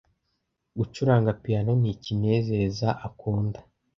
Gucuranga piyano nikinezeza akunda.